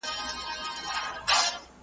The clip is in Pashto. لا کړېږې به تر څو له ظلم زوره .